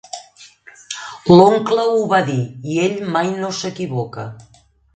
L'oncle ho va dir, i ell mai no s'equivoca.